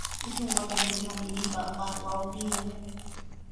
Isqun watayuqnami qipa kaq wawqiiqa.